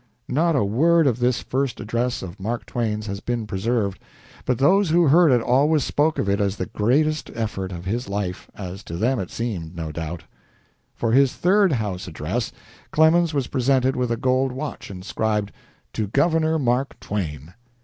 Not a word of this first address of Mark Twain's has been preserved, but those who heard it always spoke of it as the greatest effort of his life, as to them it seemed, no doubt. For his Third House address, Clemens was presented with a gold watch, inscribed "To Governor Mark Twain."